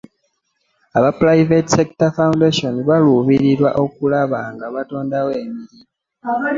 Aba Private Sector Foundation baluubirira okulaba nga batondawo emirimu.